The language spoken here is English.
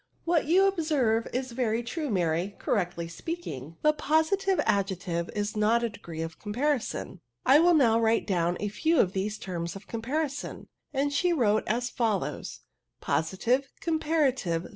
'*" What you observe is very true, Maiy ; correctly speaking, the positive adjective is not a degree of comparison." " I will now write down a few of these terms of comparison V'i and she wrote as fol lows :— Positive. Comparative.